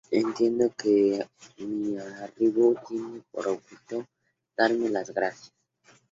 Entiendo que mi arribo tiene por objeto darme las gracias.